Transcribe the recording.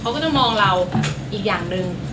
เขาก็ต้องมองเราอีกอย่างหนึ่ง